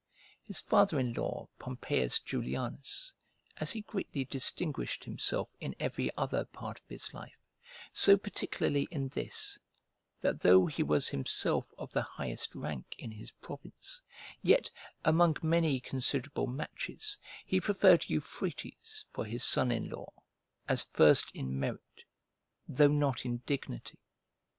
His father in law, Pompeius Julianus, as he greatly distinguished himself in every other part of his life, so particularly in this, that though he was himself of the highest rank in his province, yet, among many considerable matches, he preferred Euphrates for his son in law, as first in merit, though not in dignity.